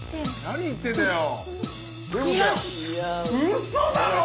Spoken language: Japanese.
何言ってんだよ！